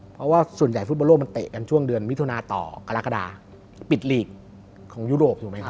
เพราะว่าส่วนใหญ่ฟุตบอลโลกมันเตะกันช่วงเดือนมิถุนาต่อกรกฎาปิดลีกของยุโรปถูกไหมครับ